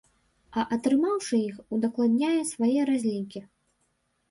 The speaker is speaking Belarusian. А атрымаўшы іх, удакладняе свае разлікі.